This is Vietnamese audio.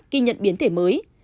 khi nhận biến thể mới